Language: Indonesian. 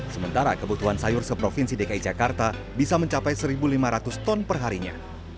sementara kebutuhan sayur seprovinsi dki jakarta bisa mencapai satu lima ratus ton perharinya